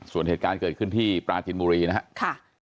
ส่วนเหตุการณ์เกิดขึ้นที่ปราจินบุรีนะครับ